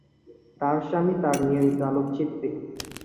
তার স্বামী তার নিয়মিত আলোকচিত্রী।